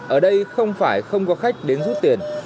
ở đây không phải không có khách đến rút tiền